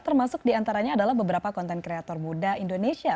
termasuk di antaranya adalah beberapa konten kreator muda indonesia